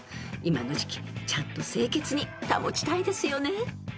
［今の時期ちゃんと清潔に保ちたいですよね］